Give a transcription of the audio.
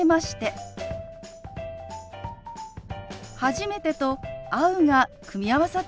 「初めて」と「会う」が組み合わさった表現です。